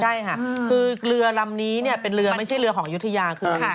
ใช่ค่ะคือเรือลำนี้เนี่ยเป็นเรือไม่ใช่เรือของยุธยาคือ